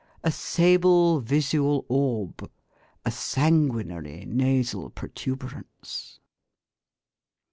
"A sable visual orb," "A sanguinary nasal protuberance."